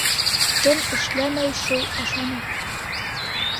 Кем эшләмәй, шул ашамай.